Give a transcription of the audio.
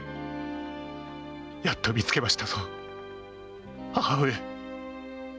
やっと見つけましたぞ母上！